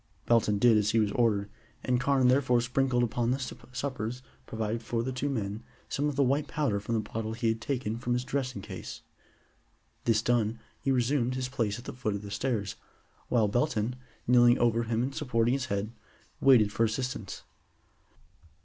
Belton did as he was ordered, and Carne thereupon sprinkled upon the suppers provided for the two men some of the white powder from the bottle he had taken from his dressing case. This done, he resumed his place at the foot of the stairs, while Belton, kneeling over him and supporting his head, waited for assistance.